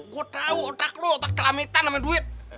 gua tau otak lu otak kelamitan sama duit